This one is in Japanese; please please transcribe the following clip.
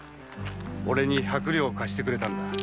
俺に百両貸してくれたんだ。